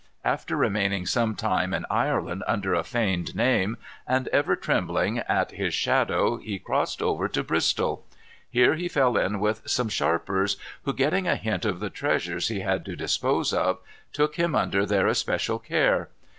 After remaining some time in Ireland under a feigned name, and ever trembling at his shadow he crossed over to Bristol. Here he fell in with some sharpers, who, getting a hint of the treasures he had to dispose of, took him under their especial care.